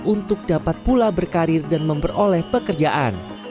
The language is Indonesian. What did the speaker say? untuk dapat pula berkarir dan memperoleh pekerjaan